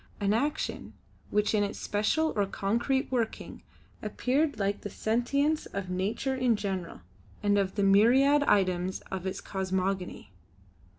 An action which in its special or concrete working appeared like the sentience of nature in general, and of the myriad items of its cosmogony.